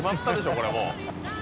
これもう。